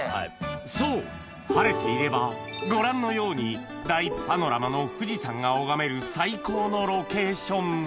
そう晴れていればご覧のように大パノラマの富士山が拝める最高のロケーション